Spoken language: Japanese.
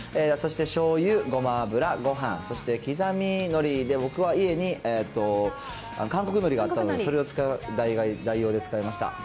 そしてしょうゆ、ごま油、ごはん、そして刻みのりで、僕は家に韓国のりがあったので、それを代用で使いました。